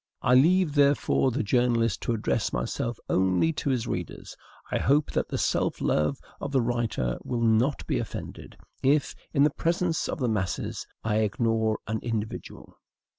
I leave, therefore, the journalist to address myself only to his readers. I hope that the self love of the writer will not be offended, if, in the presence of the masses, I ignore an individual.